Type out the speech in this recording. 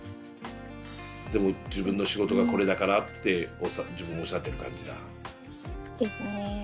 でも自分の仕事がこれだからって自分を抑えてる感じだ。ですね。